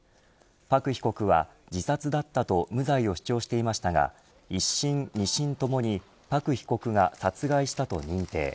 朴被告は自殺だったと無罪を主張していましたが一審、二審ともに朴被告が殺害したと認定。